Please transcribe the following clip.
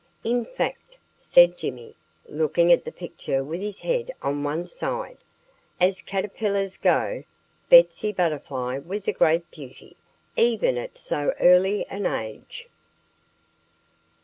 "In fact," said Jimmy, looking at the picture with his head on one side, "as caterpillars go, Betsy Butterfly was a great beauty, even at so early an age."